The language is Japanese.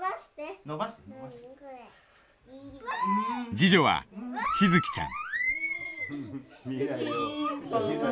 次女は千月ちゃん。